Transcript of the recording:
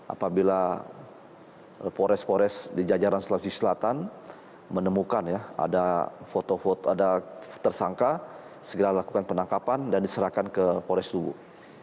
apabila polres polres di jajaran selatan menemukan ya ada tersangka segera lakukan penangkapan dan diserahkan ke polis tubuh